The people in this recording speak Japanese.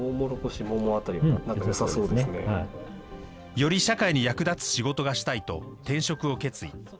より社会に役立つ仕事がしたいと、転職を決意。